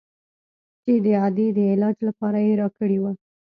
چې د ادې د علاج لپاره يې راکړى و.